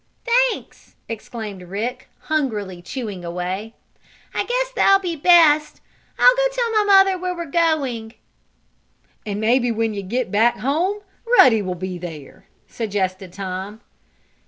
"Thanks!" exclaimed Rick, hungrily chewing away. "I guess that'll be best. I'll go tell my mother we're going." "And maybe when you get back home Ruddy will be there," suggested Tom.